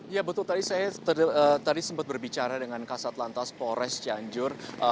ya betul tadi saya tadi sempat berbicara dengan kasat lantas polres cianjur